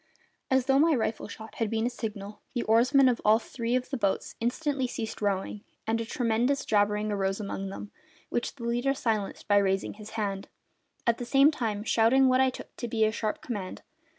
As though my rifle shot had been a signal, the oarsmen of all three of the boats instantly ceased rowing, and a tremendous jabbering arose among them, which the leader silenced by raising his hand, at the same time shouting what I took to be a sharp command.